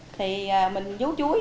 thì mình dú chuối